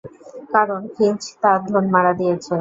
কারণ ফিঞ্চ তার ধোন মারা দিয়েছে।